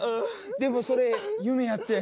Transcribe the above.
でもそれ夢やってん。